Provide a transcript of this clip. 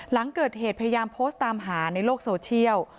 หลังเกิดเหตุพยายามโพสต์ตามหาในโลกโซเชียล